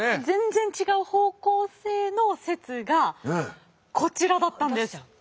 全然違う方向性の説がこちらだったんです。